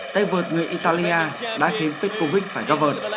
tay vợt người italia đã khiến petkovic phải gặp vợt